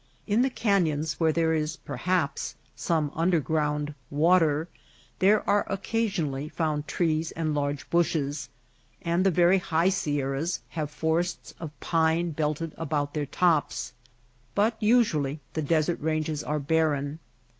In the canyons, where THE MAKE OF THE DESERT 41 there is perhaps some nndergronnd water, there are occasionally found trees and large bushes, and the very high sierras have forests of pine belted about their tops ; but usually the desert ranges are barren.